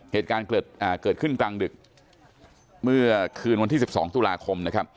เหตุการณ์เกิดขึ้นกลางดึกเมื่อคืนวันที่๑๒ตุลาคมนะครับ